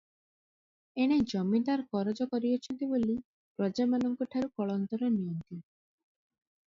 ଏଣେ ଜମିଦାର କରଜ କରିଅଛନ୍ତି ବୋଲି ପ୍ରଜାମାନଙ୍କଠାରୁ କଳନ୍ତର ନିଅନ୍ତି ।